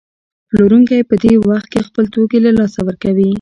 پلورونکی په دې وخت کې خپل توکي له لاسه ورکوي